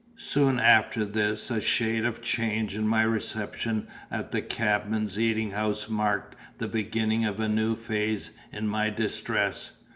Soon after this a shade of change in my reception at the cabman's eating house marked the beginning of a new phase in my distress.